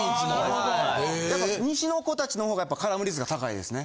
やっぱ西の子達のほうがやっぱ絡む率が高いですね。